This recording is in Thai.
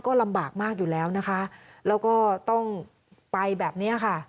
ก็ลำบากมากอยู่แล้วนะคะแล้วก็ต้องไปแบบเนี้ยค่ะ